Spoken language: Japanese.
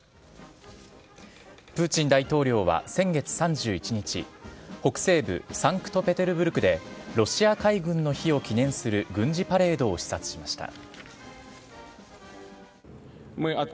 プーチン大統領は先月３１日、北西部サンクトペテルブルクで、ロシア海軍の日を記念する軍事パレードを視察しました。